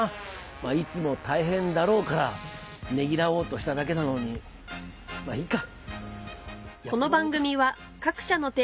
いつも大変だろうからねぎらおうとしただけなのにまぁいいか。